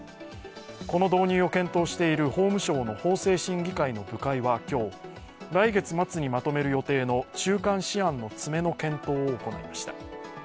この導入を検討している法務省の法制審議会の部会は今日、来月末にまとめる予定の中間試案の詰めの検討を行いました。